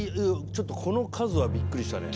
ちょっとこの数はびっくりしたね。